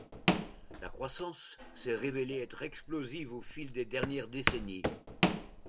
La croissance s’est révélée être explosive au fil des dernières décennies.